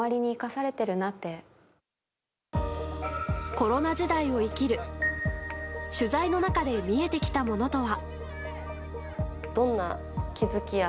コロナ時代を生きる取材の中で見えてきたものとは。